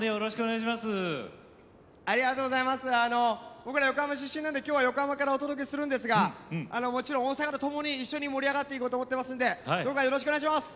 僕ら横浜出身なので今日は横浜からお届けするんですがもちろん大阪とともに一緒に盛り上がっていこうと思ってますのでどうかよろしくお願いします。